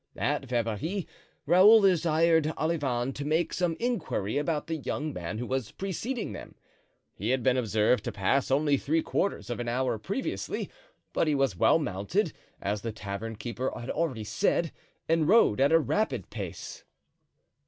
At Verberie, Raoul desired Olivain to make some inquiry about the young man who was preceding them; he had been observed to pass only three quarters of an hour previously, but he was well mounted, as the tavern keeper had already said, and rode at a rapid pace.